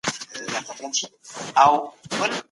ټولي دوولس افغانۍ سوې.